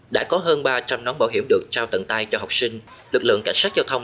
đã có hơn ba trăm linh nón bảo hiểm được trao tận tay cho học sinh lực lượng cảnh sát giao thông